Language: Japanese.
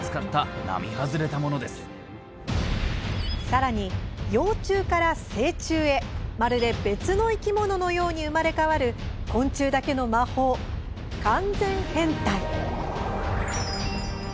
さらに、幼虫から成虫へまるで別の生き物のように生まれ変わる昆虫だけの魔法完全変態。